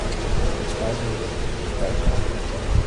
Het spijt me, maar de tijd is om.